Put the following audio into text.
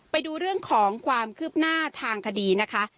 ไปดูเรื่องของความคืบหน้าทางคดีนะคะ